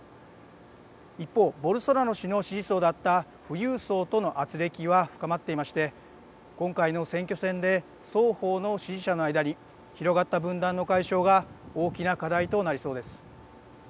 一方、ボルソナロ氏の支持層だった富裕層とのあつれきは深まっていまして今回の選挙戦で双方の支持者の間に広がった分断の解消が大きな課題となりそうです。